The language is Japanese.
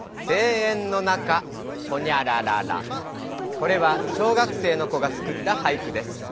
これは小学生の子がつくった俳句です。